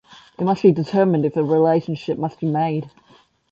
It must be determined if a relationship must be made.